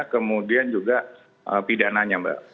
kemudian juga pidananya mbak